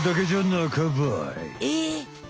えっ！